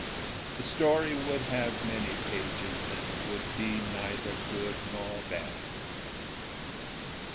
The story would have many pages, And would be neither good nor bad.